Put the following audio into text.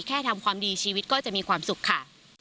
ทำความดีชีวิตก็จะมีความสุขค่ะ